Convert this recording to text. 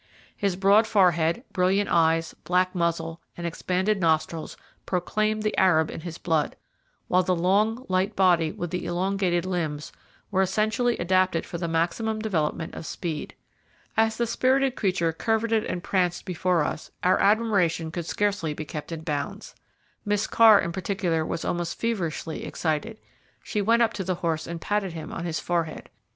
His broad forehead, brilliant eyes, black muzzle, and expanded nostrils proclaimed the Arab in his blood, while the long, light body, with the elongated limbs, were essentially adapted for the maximum development of speed. As the spirited creature curveted and pranced before us, our admiration could scarcely be kept in bounds. Miss Carr in particular was almost feverishly excited. She went up to the horse and patted him on his forehead.